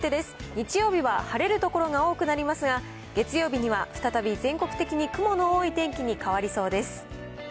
日曜日は晴れる所が多くなりますが、月曜日には再び全国的に雲の多い天気に変わりそうです。